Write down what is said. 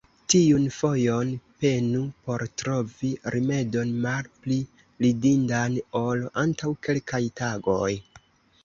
Tiun fojon, penu por trovi rimedon malpli ridindan, ol antaŭ kelkaj tagoj!